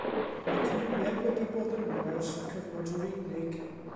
Mae cymuned wedi bod yno ers y cyfnod Rhufeinig.